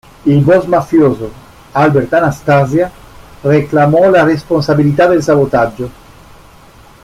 Il boss mafioso Albert Anastasia reclamò la responsabilità del sabotaggio.